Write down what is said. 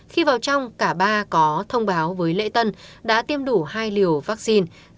khi vào trong cả ba có thông báo với lễ tân đã tiêm đủ hai liều vaccine